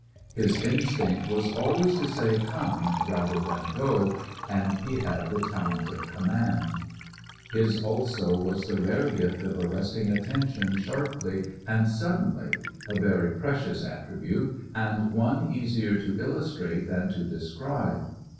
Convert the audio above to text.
His instinct was always to say "come" rather than "go," and he had the talent of command. His also was the rare gift of arresting attention sharply and suddenly, a very precious attribute, and one easier to illustrate than to describe.